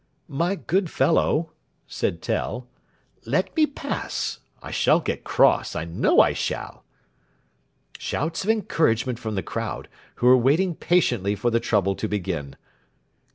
"My good fellow," said Tell, "let me pass. I shall get cross, I know I shall." Shouts of encouragement from the crowd, who were waiting patiently for the trouble to begin.